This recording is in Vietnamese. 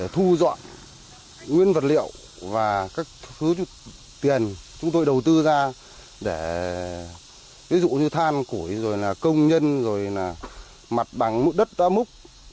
thu dọn nguyên vật liệu và các thứ tiền chúng tôi đầu tư ra để ví dụ như than củi rồi là công nhân rồi là mặt bằng mụn đất đá múc